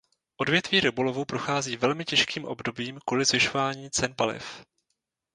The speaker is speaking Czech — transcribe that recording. Odvětví rybolovu prochází velmi těžkým obdobím kvůli zvyšování cen paliv.